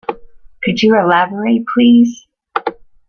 Could you elaborate please?